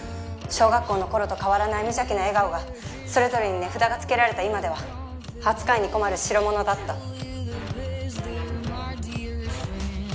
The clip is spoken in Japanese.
小学校の頃と変わらない無邪気な笑顔がそれぞれに値札がつけられた今では扱いに困るしろものだった。